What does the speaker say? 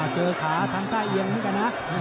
เจอขาทางท่าเอียงนี่กันนะ